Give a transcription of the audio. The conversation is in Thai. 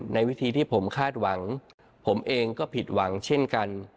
ในวิธีที่ผมคาดหวังผมเองก็ผิดหวังเช่นกัน